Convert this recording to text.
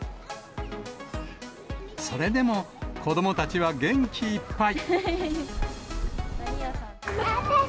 それでも子どもたちは元気いっぱい。